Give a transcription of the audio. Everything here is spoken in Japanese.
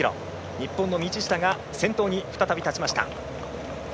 日本の道下が先頭に再び立ちました。